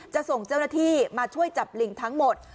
ส่งเจ้าหน้าที่มาช่วยจับลิงทั้งหมด